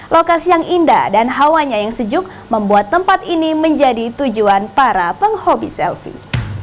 lokasi yang indah dan hawanya yang sejuk membuat tempat ini menjadi tujuan para penghobi selfie